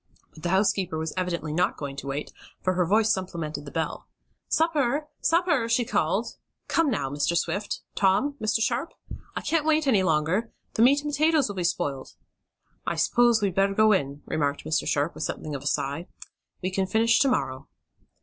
But the housekeeper was evidently not going to wait, for her voice supplemented the bell. "Supper! Sup per!" she called. "Come now, Mr. Swift; Tom, Mr. Sharp! I can't wait any longer! The meat and potatoes will be spoiled!" "I s'pose we'd better go in," remarked Mr. Sharp, with something of a sigh. "We can finish to morrow."